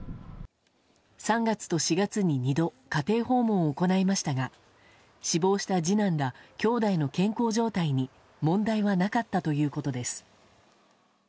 ３月と４月に２度家庭訪問を行いましたが死亡した次男ら兄弟の健康状態に問題はなかったということです。